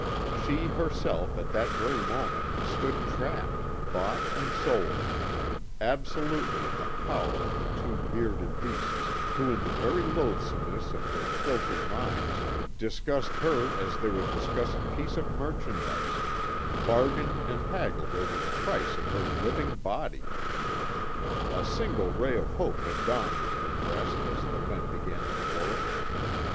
She herself, at that very moment stood trapped, bought and sold absolutely in the power of the two bearded beasts, who in the very loathsomeness of their filthy minds, discussed her as they would discuss a piece of merchandise, bargained and haggled over the price of her living body! A single ray of hope had dawned in her breast as the men began to quarrel.